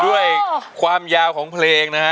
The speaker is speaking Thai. ด้วยความยาวของเพลงนะฮะ